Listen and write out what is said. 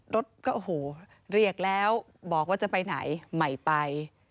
รถก็โอ้โหเรียกแล้วบอกว่าจะไปไหนไม่ไป